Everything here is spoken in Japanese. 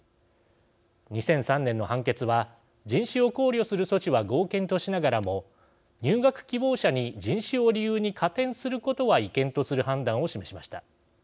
２００３年の判決は人種を考慮する措置は合憲としながらも入学希望者に人種を理由に加点することは違憲とする判断を示しました。